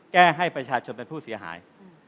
แก้ให้ประชาชนเป็นผู้เสียหาย